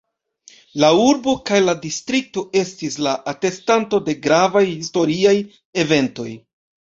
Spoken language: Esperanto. La urbo kaj la distrikto estis la atestanto de gravaj historiaj eventoj.